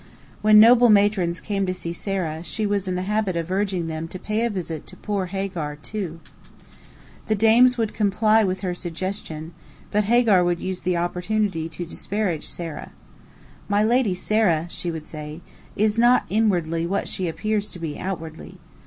When noble matrons came to see Sarah, she was in the habit of urging them to pay a visit to "poor Hagar," too. The dames would comply with her suggestion, but Hagar would use the opportunity to disparage Sarah. "My lady Sarah," she would say, "is not inwardly what she appears to be outwardly.